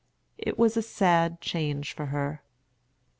It was a sad change for her.